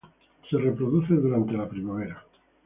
Se reproduce durante la primavera.